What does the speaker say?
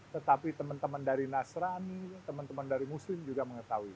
tetapi teman teman dari nasrani teman teman dari muslim juga mengetahui